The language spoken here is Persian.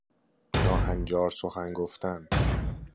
ناهنجار سخن گفتن